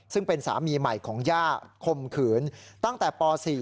ซึ่งเป็นสามีใหม่ของย่าคมขืนตั้งแต่ป๔